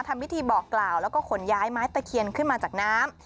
ทำพิธีบอกกล่าวแล้วก็ขนย้ายไม้ตะเคียนขึ้นมาจากน้ำ